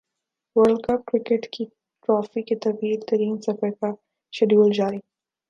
world cup cricket کی trophy کے طویل ترین سفر کا شیڈول جاری